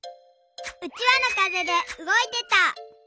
うちわのかぜでうごいてた。